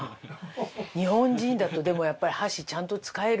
日本人だとでもやっぱり箸ちゃんと使えるように。